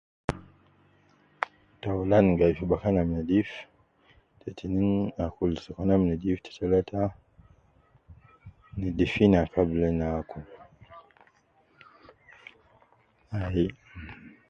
Taulan gai fi bakan al nedif te tinin akul sokolna ab nedif te talata nedif ina kabla na akulu ,ai